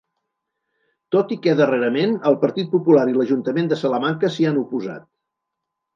Tot i que darrerament el Partit Popular i l'ajuntament de Salamanca s'hi han oposat.